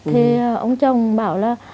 thì ông chồng bảo là